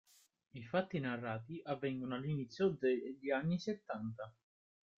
I fatti narrati avvengono all'inizio degli anni settanta.